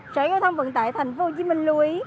sở giao thông vận tải thành phố hồ chí minh lưu ý